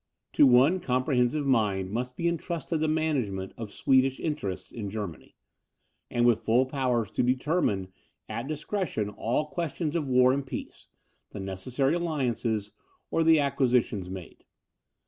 To one comprehensive mind must be intrusted the management of Swedish interests in Germany, and with full powers to determine at discretion all questions of war and peace, the necessary alliances, or the acquisitions made.